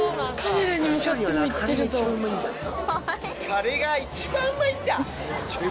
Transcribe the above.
カレーが一番うまいんだよ。